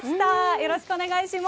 よろしくお願いします。